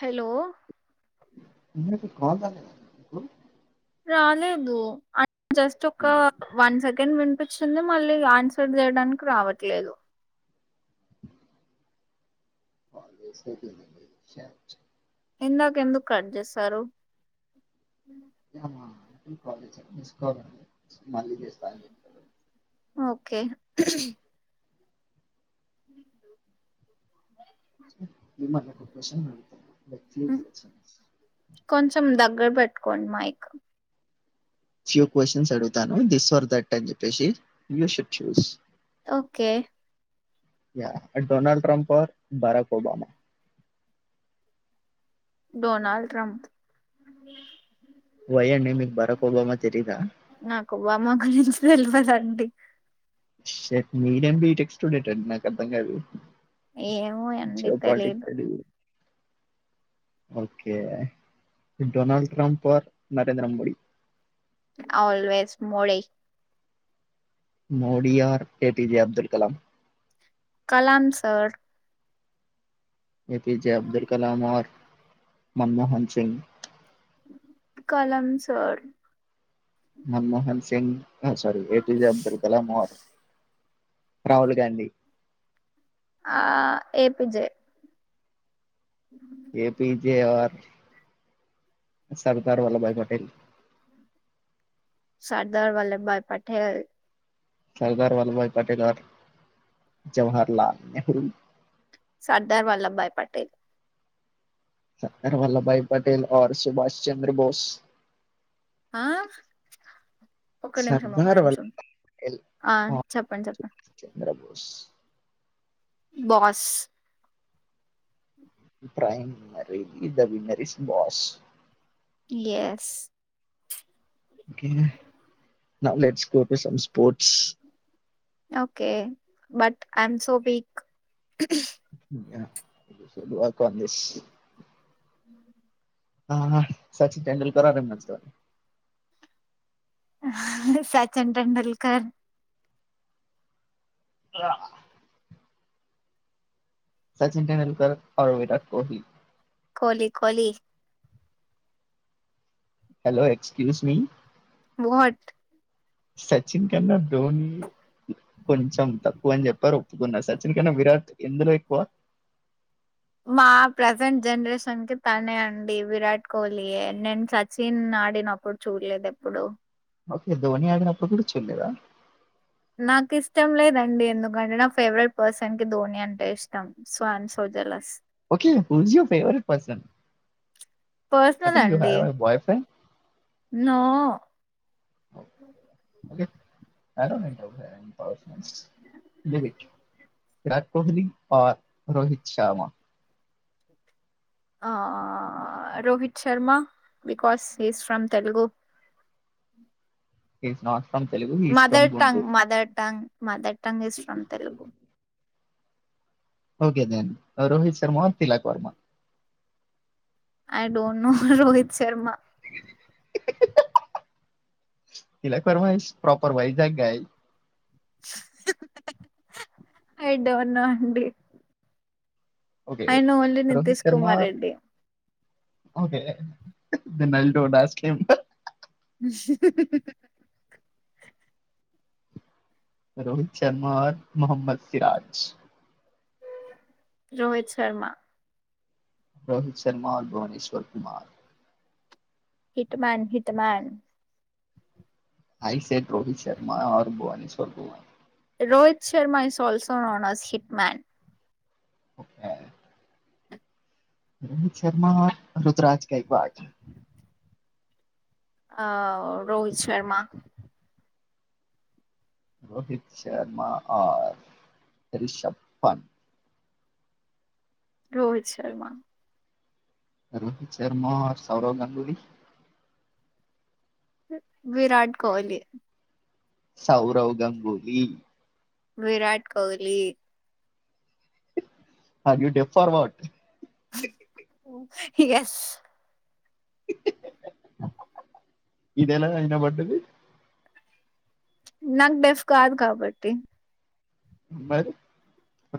Hello ఇప్పుడైతే call రాలేదా మీకు రాలేదు ఆ జస్ట్ ఒక అయ్యో వన్ సెకండ్ విన్ పిత్ చ్చింది మళ్లీ ఆన్సర్ చేయడానికి రావట్లేదు కాల్ వేస్ట్ అయిపోయింది అండి షర్ట్ ఇందాక ఎందుకు కట్ చేశారు అవునా చూసుకోలే మిస్ కాల్ మళ్ళీ చేస్ ఓకే హు హుం సో మిమ్మల్ని ఒక క్వశ్చన్ అడుగుతా లైక్ త్రీ క్వశ్చన్స్ గ్గర పెట్టుకోండి మైక్ ఫ్యూ కోషన్స్ అడుగుతాను దిస్ వర్ దట్ అన్ చెప్పేసి you should choose okay yeah Donald Trump or Barack Obama Donald Trump why అండి మీకు బరాక్ ఒబామా తెలీదా నాకు ఒబామా గురించి తెలవదం టి షిట్ మీరేం బీటెక్ స్టూడెంట్ అండి నాకు అర్థం కాదు ఏమో అండి జియో పాలిటిక్స్ తెలిదు చదివి okay Donald Trump or Narendra Modi always Modi Modi or APJ Abdul Kalam Kalam sir A P J Abdul Kalam or Manmohan Singh Kalam sir Manmohan Singh ఆ sorry A P J Abdul Kalam or Rahul Gandhi ఆ A P J A P J or Sardar Vallabhbhai Patel Sardar Vallabhbhai Patel Sardar Vallabhbhai Patel or Jawaharlal Nehru Sardar Vallabhbhai Patel Sardar Vallabhbhai Patel or Subhash Chandra Bose ఆ ఒక నిమిషం ఒక సర్దార్ నిమిషం వల్లభాయ్ పటేల్ ఆ చెప్పండి చెప్పండి స్ boss primary the winner is boss yes ఓకేగా knowledge score some sports okay but I am so weak work on this ఆ సచిన్ టెండూల్కర విన్నర్సే uh Sachin Tendulkar ah Sachin Tendulkar or Virat Kohli Kohli Kohli hello excuse me what Sachin కన్నా ధోని కొంచెం తక్కువ అని చెప్పారు, ఒప్పుకున్నా సచిన్ కన్నా విరాట్ ఎందులో ఎక్కువ మా ప్రసెంట్ జనరేషన్ కి తనే అండి విరాట్ కోహిలీ, నేను సచిన్ ఆడినప్పుడు చూడలేదు ఎప్పుడు ఓకే ధోనీ ఆడినప్పుడు కూడా చూడ్లేదా నాకు ఇష్టం లేదండి ఎందుకంటే నా ఫేవరెట్ పర్సన్ కి ధోని అంటే ఇష్టం so I'm so jealous okay who is your favourite person I personal think you అండి have a boyfriend no okay I don't [unintelligible] persons leave it, Virat Kohli or Rohit Sharma uh Rohit Sharma because is from Telugu is not from Telugu is from mother tongue Guntur mother tongue mother tongue is from Telugu okay then Rohit Sharma or Tilak Varma I don't know Rohit Sharma ఇ ఇ ఇ అ ఆ Tilak Varma is proper Vizag guy I డోనో అండి I know only Nitish Kumar Reddy okay then I ill don't ask him Rohit Sharma or Mohammed Siraj Rohit Sharma Rohit Sharma or Bhuvneshwar Kumar హిట్మాన్ హిట్మాన్ I said Rohit Sharma or Bhuvneshwar Kumar Rohit Sharma is also known as hit man okay Rohit Sharma or Ruturaj Gaikwad ah Rohit Sharma Rohit Sharma are Rishabh Pant Rohit Sharma Rohit Sharma Sourav Ganguly Virat Kohli Sourav Ganguly Virat Kohli are you deaf or what he yes ఇది ఎలా వినపడ్డది నాకు బెఫ్ కాదు కాబట్టి మరి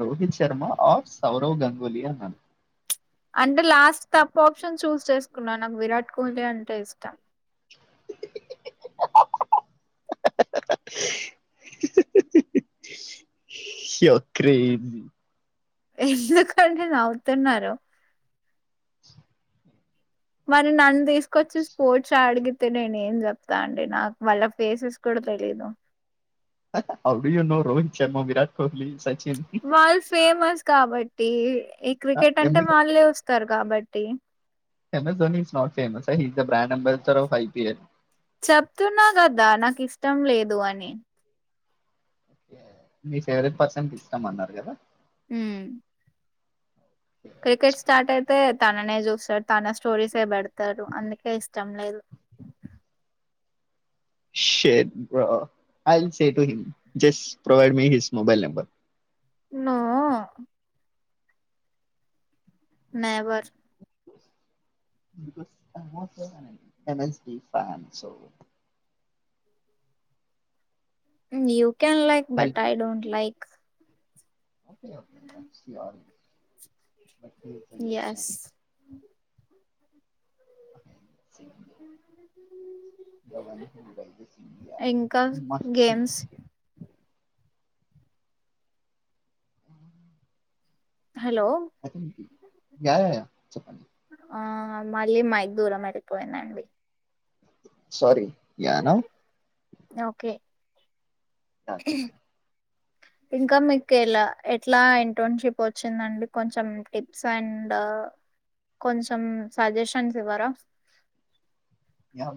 రోహిత్ శర్మా ఔ సౌరవ్ గంగూలీ అన్నాను అంటే last తప్పు ఆప్షన్ చూస్ చేసుకున్నా నాకు విరాట్ కోహ్లీ అంటే ఇష్ట యువా క్రేసీ ఎందుకండీ నవ్వుతున్నారు మరి నన్ను తీసుకొచ్చి స్పోర్ట్స్ అడిగితే నేను ఏం చెప్తా అండి నాకు వాళ్ళ ఫేసెస్ కూడా తెలీదు ఆ వీడియోనో రోహిత్ శర్మ విరాట్ కోహ్లీ వాల్ ఫేమస్ కాబట్టి ఈ క్రికెట్ అంటే వాళ్ళే వస్తారు కాబట్ తీ ఎమజన్ ఈస్ నాట్ ఫేమస్ హై he is the brand ambassador of I P L చెప్తున్నా కదా నాకు ఇష్టం లేదు అని మీ ఫేవరెట్ పర్సెన్ కి ఇష్టం అన్నారు కదా ఊ క్రికెట్ స్టార్ట్ అయితే తననే చూ సర్ తన స్టోరీస్ ఏ పెడతారు అందుకే ఇష్టం లేదు shut bro I will said him just provide me his mobile number no never um M S D fan so ఎమ్యూ can like but I don't like okay that's your but మీతో yes [unintelligible] the one who ఇంకా much games [unintelligible] hello yeah yeah చెప్పండి ఆ మళ్ళీ mic దూరం వెళ్ళిపోయిందండి sorry yeah now okay చానా సేపు అయింది ఇంకా మీకు ఎలా ఎట్లా ఇంటర్న్షిప్ వచ్చిందండి కొంచెం టిప్స్ అండ్ కొంచెం సజెషన్స్ ఇవ్వరా యా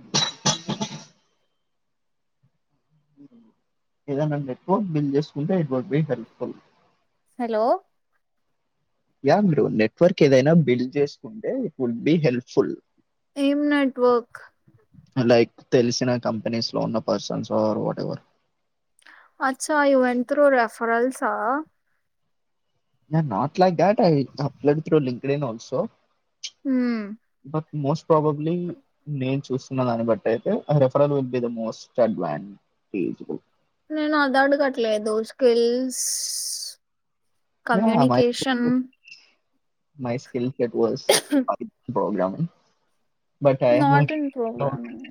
ఏదన్నా నెట్వర్క్ బిల్ చేసుకుంటే it would be helpful hello yeah మీరు నెట్వర్క్ ఏదైనా బిల్డ్ చేసుకుంటే ఇట్ వుడ్ బి హెల్ప్ఫుల్ ఏం నెట్వర్క్ లైక్ తెలిసిన కంపెనీస్ లో ఉన్న పర్సన్స్ ఆర్ వాట్ ఎవర్ అచ్చా యూ వెన్ట్ థ్రూ రెఫరల్సా yeah not like that I applied to LinkedIn also hmm but most probably నేను చూస్తున్న దాన్ని బట్టి అయితే referral will be the most advantageable నేను అది అడగట్లేదు skills yeah my communication my skill it was అది program hmm but I'm [inaudible] not in programming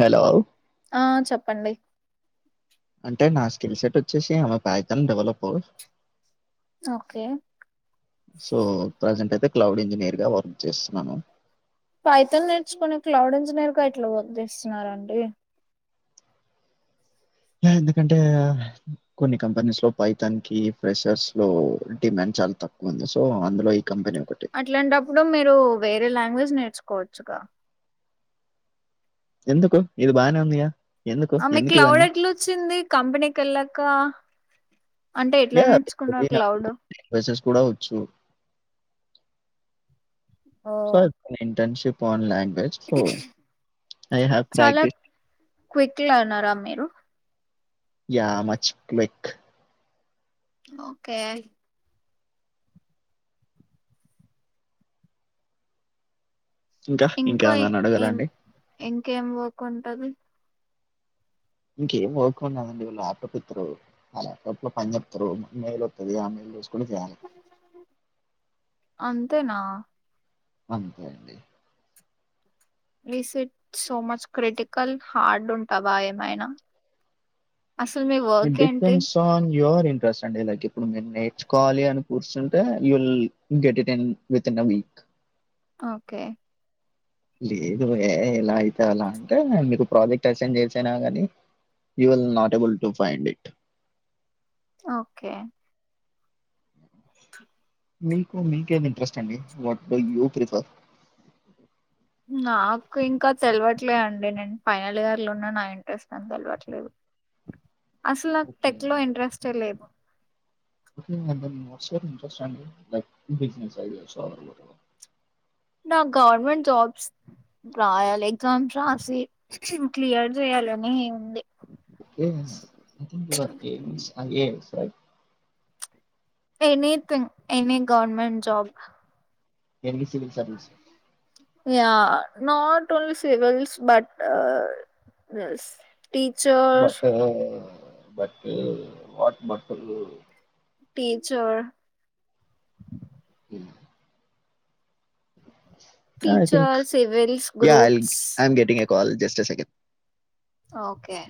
hello ఆ చెప్పండి అంటే నా స్కిల్ సెట్ వచ్చేసి I'm Python developer okay so present అయితే క్లౌడ్ ఇంజనీయర్ గా వర్క్ చేస్తున్నాను పైథాన్ నేర్చుకోని క్లౌడ్ ఇంజనీర్ గా ఎట్లా వర్క్ చేస్తున్నారండి ఎందుకంటే కొన్ని కంపెనీస్ లో పైథాన్ కి ఫ్రెషర్స్ లో డిమాండ్ చాలా తక్కువ ఉంది. సో అందులో ఇ అట్లాంటప్పుడు మీరు వే రే లాంగ్వేజ్ నేర్చుకోవచ్చుగా ఎందుకు ఇది బానే ఉందిగా ఎందుకు ఔను ఎందుకు క్లౌడ్ ఇవన్నీ ఎట్లొచ్చింది కంపెనీకి వెళ్ళాక అంటే ఎట్లా యా నేర్చుకున్నారు క్లౌడ్ [inaudible] మెసేజ్ కూడా వచ్చు ఓ సార్ నీ ఇంటెన్షన్ పోన్లే చాలా ప్రాక్టీస్ క్విక్ లా ఉన్నారా మీరు యా మచ్ క్లిక్ ఓకే ఇంకా ఏం ఇంకేం వాక్ ఉంటది ఇంకేం వర్క్ ఉండదండి. ల్యాప్టాప్ ఇస్తారు ఆ ల్యాప్టాప్ లో పని చెప్తారు మెయిల్ వత్తది ఆ మెయిల్ [unintelligible] తేనా అంతే అండి reset so much critical hard ఉంటవా ఏమైనా అసలు మీ ఇన్ వర్క్ ఏంటి డిపెండ్స్ ఆన్ యూవర్ ఇంట్రెస్ట్ అండి నాకి ఇప్పుడు మీరు నేర్చుకోవాలి అని కూర్చుంటే you will get it in within week okay లేదులే ఎలా అయితే అలా అంటే మేము మీకు ప్రాజెక్ట్ అసైన్ చేశారా గాని you will not able to find it okay మీకు మీకెంది ఇంట్రెస్ట్ అండి వాట్ గోయింగ్ యూ ప్రిఫర్ నాకు ఇంకా తెలవట్లే అండి నేను ఫైనల్ ఇయర్ లో ఉన్న నా ఇంట్రెస్ట్ నాకు తెలవట్లేదు. అసలు నాకు ఓకే టెక్ లో ఇంట్రెస్టే లేదు [unintelligible] ఇంట్రెస్టా అండి లైక్ బిజినెస్ ఐడియా ఇచ్చే వాళ్ళు నాకు గవర్నమెంట్ జాబ్స్ రాయాలి ఎగ్జామ్స్ రాసి క్లియర్ చేయాలని ఉంది okay I think your aims I A S right anything any government job any civil service yeah not only civils but teacher but but what but teacher [inaudible] I think teacher civils groups కల్ just a second okay